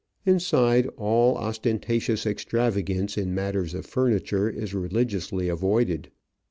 Inside all osten tatious extravagance in matters of furniture is re ligiously avoided.